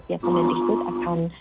pihak kemendikbud akan